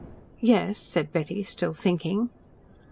"Yes?" said Betty, still thinking.